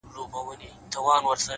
زه او زما ورته ياران ـ